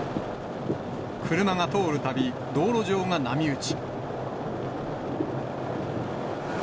車が通るたび、道路上が波打ち。